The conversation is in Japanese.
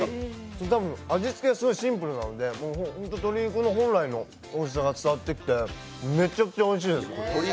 多分、味付けがすごいシンプルなので鶏肉の本来のおいしさが伝わってきて、めちゃくちゃおいしいです。